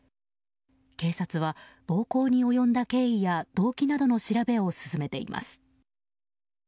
警察は、暴行に及んだ経緯や動機などの調べを進めています。